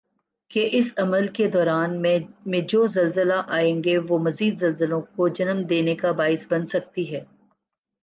کہ اس عمل کی دوران میں جو زلزلی آئیں گی وہ مزید زلزلوں کو جنم دینی کا باعث بن سکتی ہیں